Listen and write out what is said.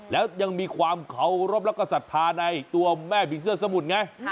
แล้วยังมีความเคารพแล้วก็ศรัทธาในตัวแม่ผีเสื้อสมุทรไง